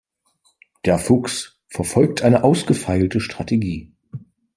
Der Fuchs verfolgt eine ausgefeilte Strategie.